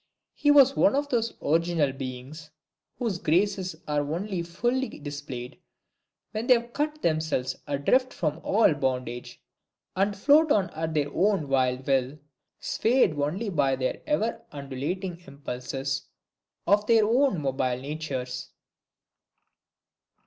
He was one of those original beings, whose graces are only fully displayed when they have cut themselves adrift from all bondage, and float on at their own wild will, swayed only by the ever undulating impulses of their own mobile natures.